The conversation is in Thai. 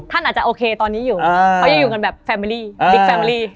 ท่านอาจจะโอเคตอนนี้อยู่เขายังอยู่กันแบบแฟมิลี่บิ๊กแมรี่